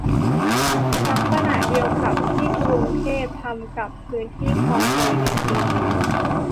ลักษณะเดียวกับที่กรุงเทพทำกับพื้นที่คลองเตยในปีนี้